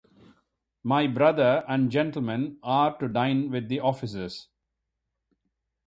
My brother and the gentlemen are to dine with the officers.